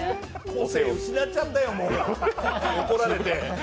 個性を失っちゃったよ、怒られて。